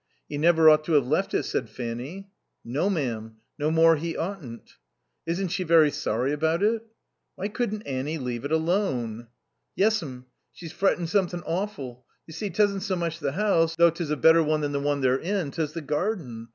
"He never ought to have left it," said Fanny. "No, ma'am. No more he oughtn't." "Isn't she very sorry about it?" (Why couldn't Fanny leave it alone?) "Yes, m'm. She's frettin' something awful. You see, 'tesn't so much the house, though 'tes a better one than the one they're in, 'tes the garden.